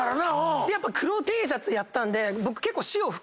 やっぱ黒Ｔシャツやったんで僕結構。